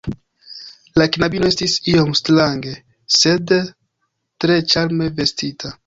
La knabino estis iom strange, sed tre ĉarme vestita.